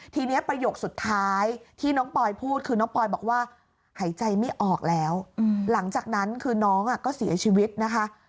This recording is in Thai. ทีนี้ประโยคสุดท้ายที่น้องปอยพูดคือน้องปอยบอกว่าหายใจไม่ออกแล้วหลังจากนั้นคือน้องก็เสียชีวิตนะคะ